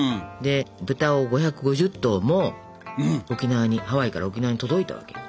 豚を５５０頭も沖縄にハワイから沖縄に届いたわけ。